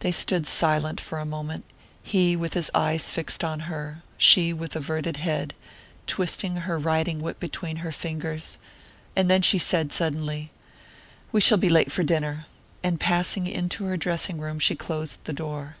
They stood silent for a moment, he with his eyes fixed on her, she with averted head, twisting her riding whip between her fingers; then she said suddenly: "We shall be late for dinner," and passing into her dressing room she closed the door.